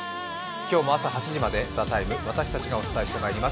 今日も朝８時まで「ＴＨＥＴＩＭＥ，」私たちがお伝えしてまいります。